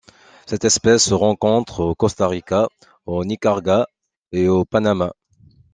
Cette espèce se rencontre au Costa Rica, au Nicaragua et au Panama.